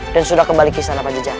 dan sudah kembali ke istana panjajara